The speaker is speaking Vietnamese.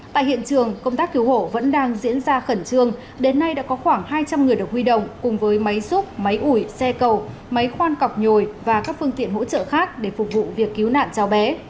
tại hiện trường công tác cứu hộ vẫn đang diễn ra khẩn trương đến nay đã có khoảng hai trăm linh người được huy động cùng với máy xúc máy ủi xe cầu máy khoan cọc nhồi và các phương tiện hỗ trợ khác để phục vụ việc cứu nạn cháu bé